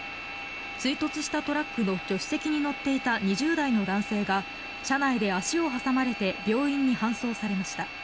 追突したトラックの助手席に乗っていた２０代の男性が車内で足を挟まれて病院に搬送されました。